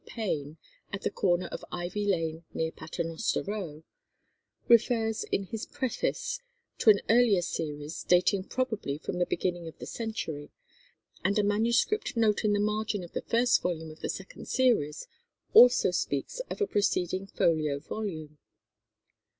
Payne, at the corner of Ivy Lane, near Paternoster Row," refers in his preface to an earlier series, dating probably from the beginning of the century, and a manuscript note in the margin of the first volume of the second series also speaks of a preceding folio volume.